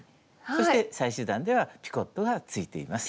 そして最終段ではピコットがついています。